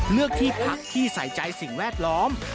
เลือกที่พักที่ใส่ใจสิ่งแวดล้อม